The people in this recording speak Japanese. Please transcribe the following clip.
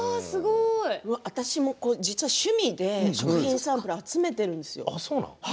私も趣味で食品サンプルを集めているんですよ。